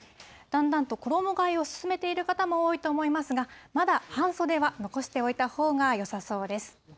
だんだんと衣がえを進めている方も多いと思いますが、まだ半袖は残しておいたほうがよさそうです。